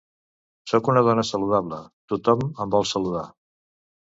Sóc una dona saludable: tothom em vol saludar.